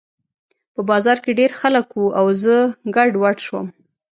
په بازار کې ډېر خلک وو او زه ګډوډ شوم